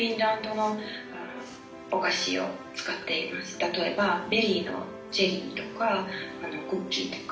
例えばベリーのゼリーとかクッキーとか。